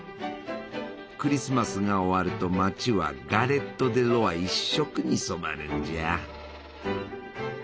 クリスマスが終わると町はガレット・デ・ロワ一色に染まるんじゃ。